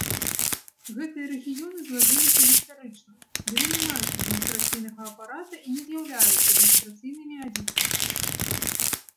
Гэтыя рэгіёны злажыліся гістарычна, яны не маюць адміністрацыйнага апарата і не з'яўляюцца адміністрацыйнымі адзінкамі.